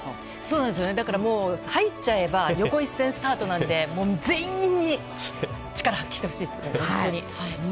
入っちゃえば横一線スタートなので力発揮してほしいですね。